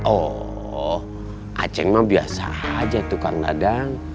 oh aceng mah biasa aja tuh kang dadang